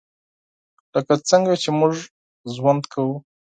لکه څنګه چې موږ ژوند کوو .